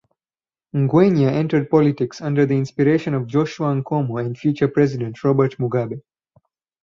Ngwenya entered politics under the inspiration of Joshua Nkomo and future President Robert Mugabe.